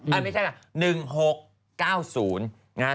อ้าวไม่ใช่ครับ๑๖๙๐